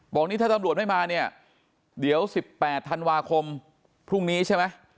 บอกนี่ถ้าตำรวจไม่มาเนี่ยเดี๋ยว๑๘ธันวาคมพรุ่งนี้ใช่ไหม